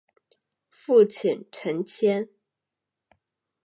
父亲陈谦。